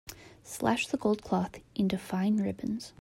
Slash the gold cloth into fine ribbons.